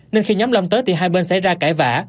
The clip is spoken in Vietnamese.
nên khi nhóm lâm tới thì hai bên xảy ra cãi vã